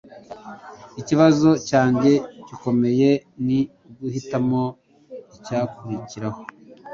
Ikibazo cyanjye gikomeye ni uguhitamo icyakurikiraho